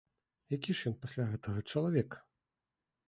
Які ж ён пасля гэтага чалавек?